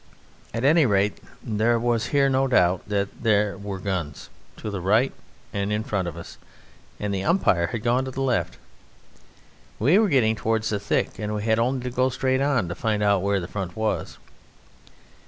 At any rate there was here no doubt that there were guns to the right and in front of us, and the umpire had gone to the left. We were getting towards the thick, and we had only to go straight on to find out where the front was.